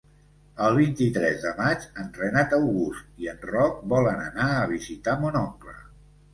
El vint-i-tres de maig en Renat August i en Roc volen anar a visitar mon oncle.